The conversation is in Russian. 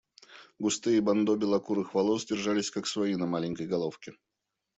Густые бандо белокурых волос держались как свои на маленькой головке.